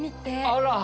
あら！